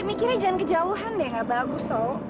mikirnya jangan kejauhan deh nggak bagus tau